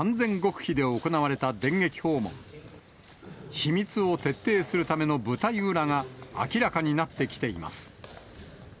秘密を徹底するための舞台裏が明らかになってきています。